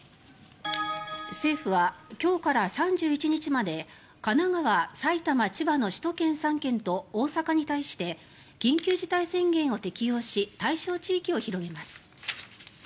政府は今日から３１日まで神奈川、埼玉、千葉の首都圏３県と大阪に対して緊急事態宣言を適用し対象地域を広げます。